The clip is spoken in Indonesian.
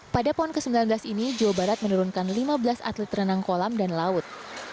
pada pon ke sembilan belas ini jawa barat menurunkan lima belas atlet renang kolam dan laut